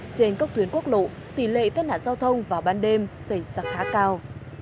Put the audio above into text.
trên các tuyến quốc lộ tỷ lệ thất nạn giao thông vào ban đêm xảy ra khá cao